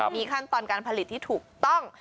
มีขั้นตอนการผลิตที่ถูกต้อง